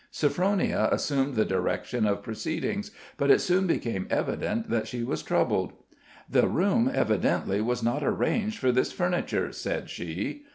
Sophronia assumed the direction of proceedings, but it soon became evident that she was troubled. "The room, evidently, was not arranged for this furniture," said she.